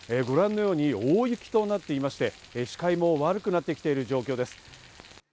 ご覧のように大雪となっていまして、視界も悪くなってきている状